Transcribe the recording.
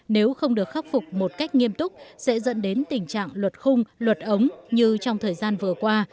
nếu không được khắc phục một cách nghiêm túc sẽ dẫn đến tình trạng luật khung luật ống như trong thời gian vừa qua